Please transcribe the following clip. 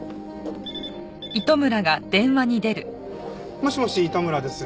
もしもし糸村です。